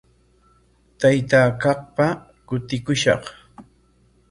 Taytaa kaqpa kutikushaq.